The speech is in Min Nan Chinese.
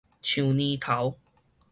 樹乳頭